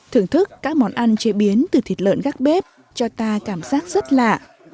thưởng thức các món ăn chế biến từ thịt lợn gác bếp cho ta cảm giác rất lạ